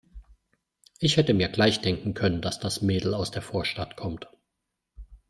Ich hätte mir gleich denken können, dass das Mädel aus der Vorstadt kommt.